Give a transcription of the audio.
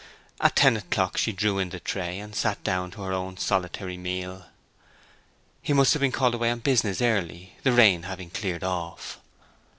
At ten o'clock she drew in the tray, and sat down to her own solitary meal. He must have been called away on business early, the rain having cleared off.